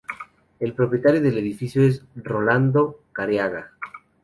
El propietario del edificio es Rolando Careaga.